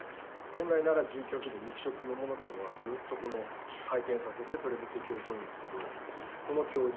本来なら獣脚類肉食のものというのはグッとこの回転させてそれで敵を襲うんですけどこの恐竜